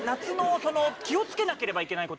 気をつけなければいけないこと。